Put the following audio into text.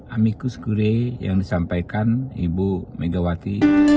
amikus kure yang disampaikan ibu megawati